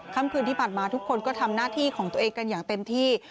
ค่ำคืนที่ผ่านมาทุกคนก็ทำหน้าที่ของตัวเองกันอย่างเต็มที่